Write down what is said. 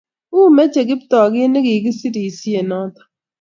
U meche Kiptoo kit nekisirisie noto